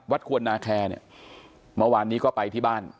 ควรนาแคร์เนี่ยเมื่อวานนี้ก็ไปที่บ้าน